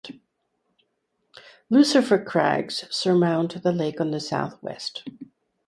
Lucifer Crags surmount the lake on the southwest.